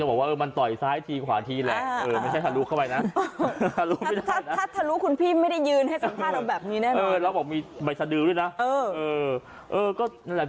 แบบนี้แน่นอนเออแล้วบอกมีใบสะดือด้วยนะเออเออก็นั่นแหละ